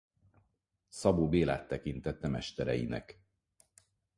Szabó Bélát tekintette mestereinek.